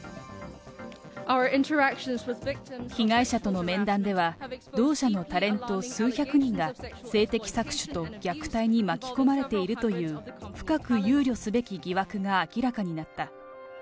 被害者との面談では、同社のタレント数百人が、性的搾取と虐待に巻き込まれているという深く憂慮すべき疑惑が明らかになった。